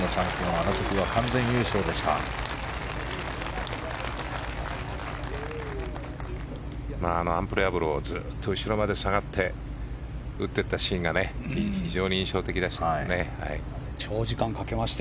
あのアンプレヤブルをずっと後ろまで下がって打っていったシーンが非常に印象的でした。